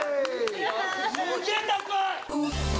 ◆すっげえ高い！